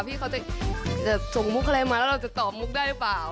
พี่เขาจะส่งมุกอะไรมาแล้วเราจะตอบมุกได้หรือเปล่า